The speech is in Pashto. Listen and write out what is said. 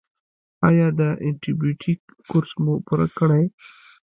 ایا د انټي بیوټیک کورس مو پوره کړی؟